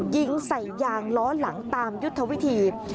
ยิงใส่ยางล้อหลังตามยุทธวิธี